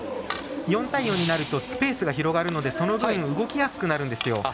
４対４になるとスペースが広がりますのでその分、動きやすくなるんですよ。